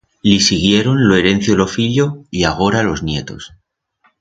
Li siguieron lo herencio lo fillo, y agora los nietos.